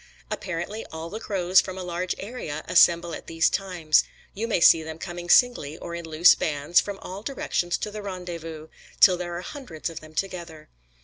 Apparently, all the crows from a large area assemble at these times; you may see them coming, singly or in loose bands, from all directions to the rendezvous, till there are hundreds of them together.